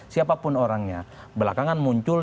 siapapun orangnya belakangan muncul